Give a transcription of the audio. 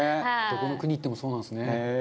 「どこの国行ってもそうなんですね」